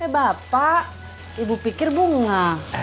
bapak ibu pikir bunga